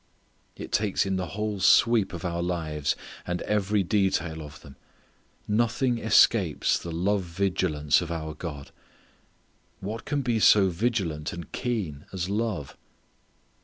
_ It takes in the whole sweep of our lives, and every detail of them. Nothing escapes the love vigilance of our God. What can be so vigilant and keen as love?